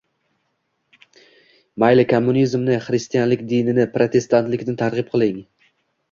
Mayli kommunizmni, xristianlik dinini, protestantlikni targ’ib qiling